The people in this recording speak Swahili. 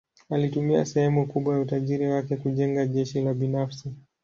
Alitumia sehemu kubwa ya utajiri wake kujenga jeshi la binafsi.